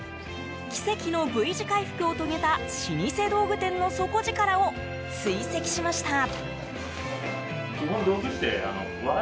奇跡のＶ字回復を遂げた老舗道具店の底力を追跡しました。